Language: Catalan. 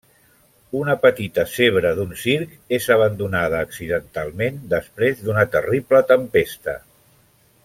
Una petita zebra d'un circ és abandonada accidentalment després d'una terrible tempesta.